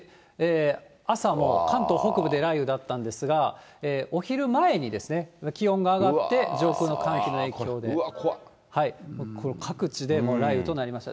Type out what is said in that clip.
朝も関東北部で雷雨だったんですが、お昼前に気温が上がって、うわ、各地で雷雨となりました。